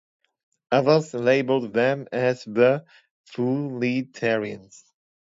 Others labelled them as the 'futilitarians'.